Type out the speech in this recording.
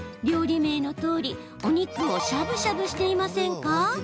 料理名のとおりお肉をしゃぶしゃぶしていませんか？